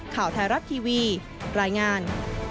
ข่าวไทยรัฐทีวีรายงาน